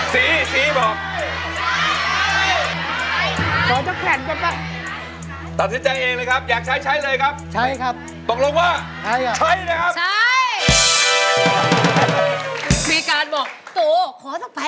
สีสีบอก